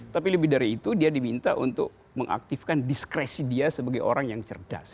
tapi lebih dari itu dia diminta untuk mengaktifkan diskresi dia sebagai orang yang cerdas